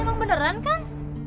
emang beneran kan